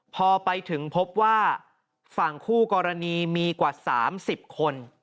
พอไปถึงพบว่าฝั่งคู่กรณีมีกว่า๓๐คน